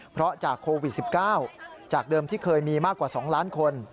เพราะจากโควิด๑๙จากเดิมที่เคยมีมากกว่า๒ล้านคน